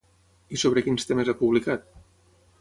I sobre quins temes ha publicat?